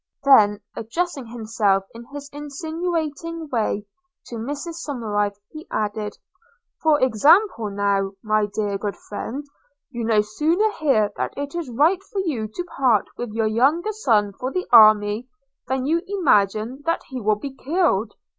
– Then addressing himself in his insinuating way to Mrs Somerive, he added – 'For example, now, my dear good friend – you no sooner hear that it is right for you to part with your younger son for the army, than you imagine that he will be killed.